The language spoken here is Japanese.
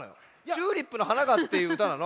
「チューリップの花が」っていううたなの？